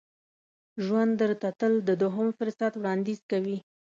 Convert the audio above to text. ژوند درته تل د دوهم فرصت وړاندیز کوي.